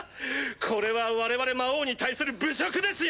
これは我々魔王に対する侮辱ですよ！